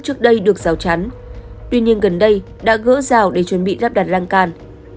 trước đây được rào chắn tuy nhiên gần đây đã gỡ rào để chuẩn bị lắp đặt lăng can